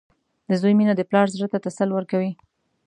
• د زوی مینه د پلار زړۀ ته تسل ورکوي.